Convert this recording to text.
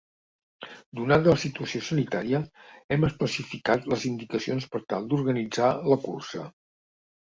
Donada la situació sanitària, hem especificat les indicacions per tal d’organitzar la cursa.